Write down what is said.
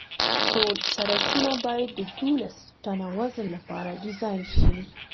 ټول سرکونه باید د دولس ټنه وزن لپاره ډیزاین شي